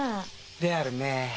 であるね。